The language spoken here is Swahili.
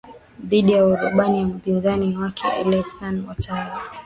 dhidi ya arobaini ya mpinzani wake alasan watara